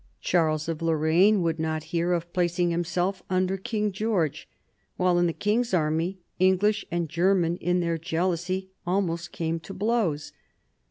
Charles of Lorraine would not hear of placing himself under King George ; while, in the king's army, English and German in their jealousy almost came to blows.